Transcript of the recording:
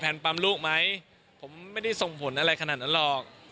ปั๊มลูกไหมผมไม่ได้ส่งผลอะไรขนาดนั้นหรอก